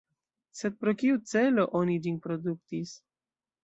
Sed pro kiu celo oni ĝin produktis?